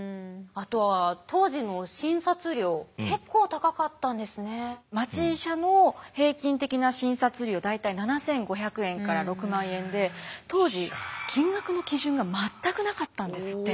あとは当時の町医者の平均的な診察料大体７，５００円から６万円で当時金額の基準が全くなかったんですって。